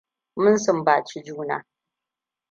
Mun sumbaci juna.